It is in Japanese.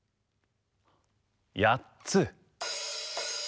やっつ。